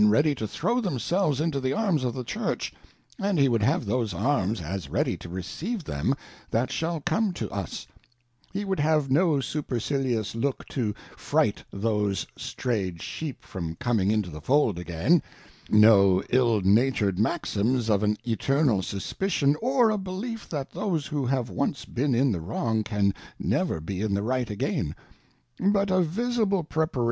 xeady to tbrOF themselves into the arms of the Church, and he would have those arms as ready to receive them that shall come to us ; he would have no supercilious look to fright those strayed Sheep from coming into the Fold again ; no ill natui 'd maxims of an Eternal suspicion, or a belief that those who have once been in the vn ong can never be in the right again ; but a visible prepara tion CCi^ of a Trimmer.